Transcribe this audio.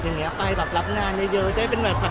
พี่เอ็มเค้าเป็นระบองโรงงานหรือเปลี่ยนไงครับ